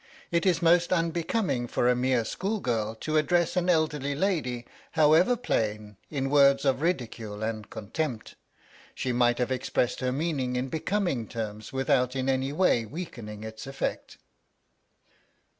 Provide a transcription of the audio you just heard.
It is most unbecoming for a mere school girl to address an elderly lady, however plain, in words of ridicule and contempt. She might have expressed her meaning in becoming terms without in any way weakening its effect.